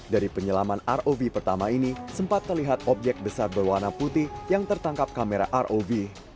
dari penyelaman rov pertama ini sempat terlihat objek besar berwarna putih yang tertangkap kamera rov